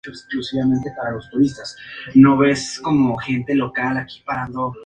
Jugaba de centrocampista y su primer club fue el Niza.